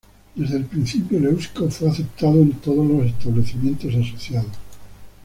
Desde el principio el eusko fue aceptado en todos los establecimientos asociados.